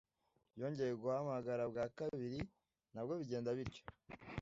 yongeye guhamagara bwa kabiri nabwo bigenda bityo.